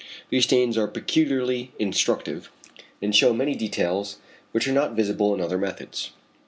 These stains are peculiarly instructive, and shew many details which are not visible in other methods.